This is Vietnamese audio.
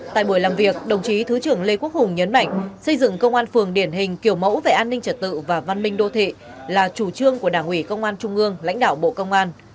tại buổi làm việc đồng chí thứ trưởng lê quốc hùng nhấn mạnh xây dựng công an phường điển hình kiểu mẫu về an ninh trật tự và văn minh đô thị là chủ trương của đảng ủy công an trung ương lãnh đạo bộ công an